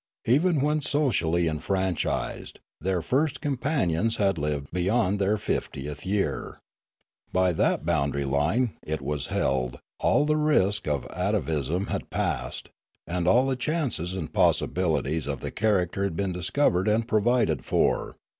Even when socially enfranchised, thei* first companions had lived beyond their fiftieth year. By that boundary line, it was held, all the risk of atavism had passed, and all the chances and possibilities of the character had been discovered and provided for.